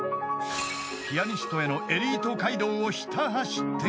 ［ピアニストへのエリート街道をひた走っていた］